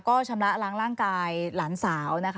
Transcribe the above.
ก็ชำระล้างร่างกายหลานสาวนะคะ